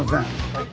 はい。